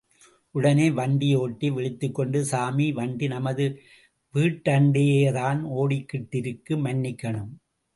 உடனே வண்டி ஒட்டி விழித்துக் கொண்டு சாமி வண்டி நமது வீட்டண்டையேதான் ஒடிக்கிட்டிருக்கு, மன்னிக்கணும்.